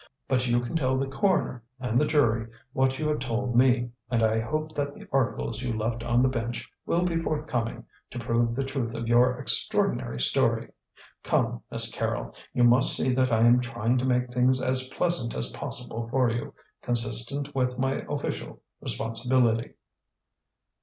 But you can tell the coroner and the jury what you have told me, and I hope that the articles you left on the bench will be forthcoming to prove the truth of your extraordinary story. Come, Miss Carrol, you must see that I am trying to make things as pleasant as possible for you, consistent with my official responsibility."